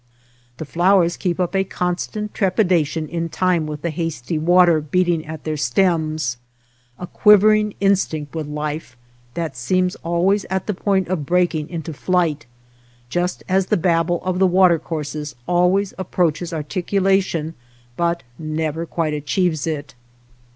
The fiowers keep up a constant trepidation in time with the hasty water beating at their stems, a quivering, instinct with life, that seems always at the point of breaking into flight ; just as the babble of the water courses always approaches articulation but never quite achieves it.